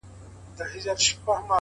د کوټې خاموشي د فکر غږ لوړوي!